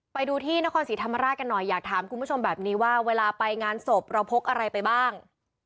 ไปดูที่นครศรีธรรมราชกันหน่อยอยากถามคุณผู้ชมแบบนี้ว่าเวลาไปงานศพเราพกอะไรไปบ้าง